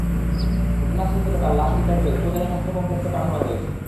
ঘটনাস্থল থেকে তাঁর লাশ উদ্ধার করে উপজেলা স্বাস্থ্য কমপ্লেক্সে পাঠানো হয়েছে।